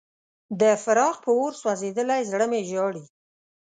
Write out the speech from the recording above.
د فراق په اور سوځېدلی زړه مې ژاړي.